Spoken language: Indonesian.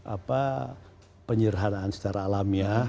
apa penyerhanaan secara alamiah